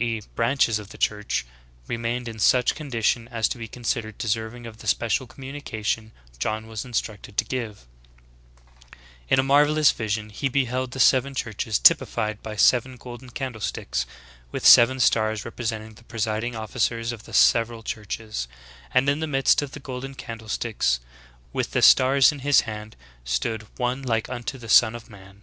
e. branches of the Church, remained in such condition as to be considered deserving of the special communication John was instructed to give J In a marvelous vision he be held the seven churches typified by seven golden candle sticks, with seven stars representing the presiding officers of the several churches ; and in the midst of the golden candle sticks, with the stars in his hand, stood "one like unto the Son of Man."